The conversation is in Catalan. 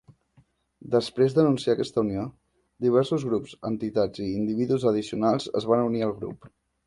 Després d'anunciar aquesta unió, diversos grups, entitats i individus addicionals es van unir al grup.